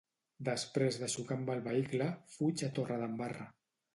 Després de xocar amb el vehicle, fuig a Torredembarra.